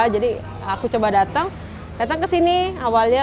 jadi aku coba datang datang ke sini awalnya